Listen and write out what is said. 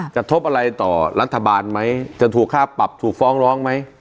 กระทบอะไรต่อรัฐบาลไหมจะถูกค่าปรับถูกฟ้องร้องไหม